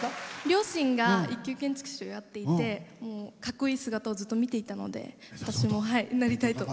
両親が一級建築士をやっていてかっこいい姿をずっと見ていたので私もなりたいと。